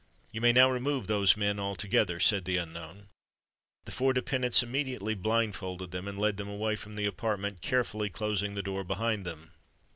"You may now remove those men altogether," said the unknown. The four dependants immediately blindfolded them, and led them away from the apartment, carefully closing the door behind them.